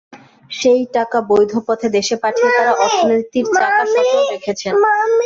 সেই টাকা বৈধ পথে দেশে পাঠিয়ে তাঁরা অর্থনীতির চাকা সচল রেখেছেন।